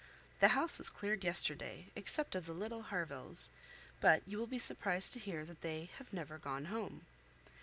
The house was cleared yesterday, except of the little Harvilles; but you will be surprised to hear they have never gone home.